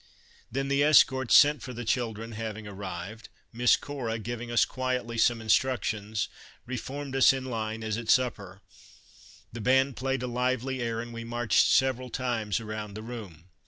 Then the escorts sent for the children having arrived, Miss Cora, giving us quietly some instructions, reformed us in line as at supper, the band played a lively air and we marched several times around the room.